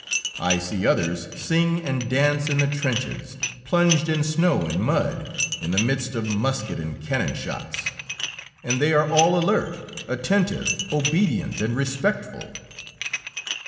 I see others sing and dance in the trenches, plunged in snow and mud, in the midst of musket and cannon shots. And they are all alert, attentive, obedient, and respectful."